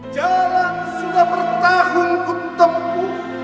jalan sudah bertahunku tempu